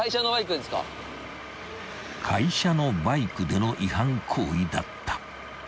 ［会社のバイクでの違反行為だった］